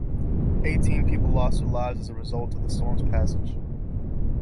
Eighteen people lost their lives as a result of the storm's passage.